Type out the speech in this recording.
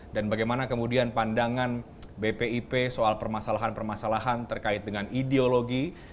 dan bagaimana kemudian pandangan bpip soal permasalahan permasalahan terkait dengan ideologi